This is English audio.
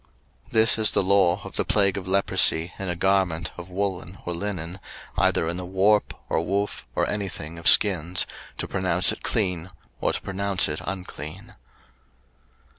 03:013:059 This is the law of the plague of leprosy in a garment of woollen or linen, either in the warp, or woof, or any thing of skins, to pronounce it clean, or to pronounce it unclean.